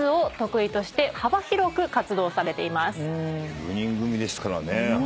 ９人組ですからね。